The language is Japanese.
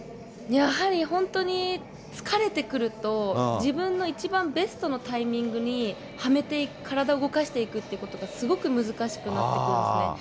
やはり、本当に疲れてくると、自分の一番ベストのタイミングにはめていく、体を動かしていくということがすごく難しくなってくるんですね。